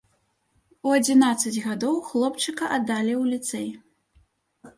У адзінаццаць гадоў хлопчыка аддалі ў ліцэй.